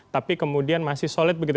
tapi kemudian masih solid begitu